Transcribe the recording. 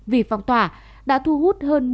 vì phong tỏa đã thu hút hơn